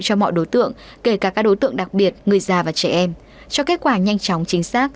cho mọi đối tượng kể cả các đối tượng đặc biệt người già và trẻ em cho kết quả nhanh chóng chính xác